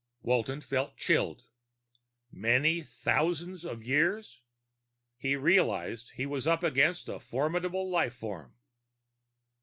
Walton felt chilled. Many thousands of years! He realized he was up against a formidable life form.